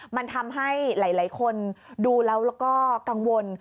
มันทำให้หลายคนดูแล้วก็กังวล